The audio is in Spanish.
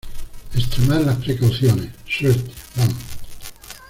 extremad las precauciones. suerte, vamos .